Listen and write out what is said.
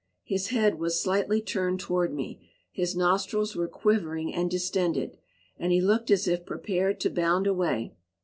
His head was slightly turned toward me, his nostrils were quivering and distended, and he looked as if prepared to bound away.